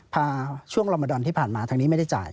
พาช่วงลมดอนที่ผ่านมาทางนี้ไม่ได้จ่าย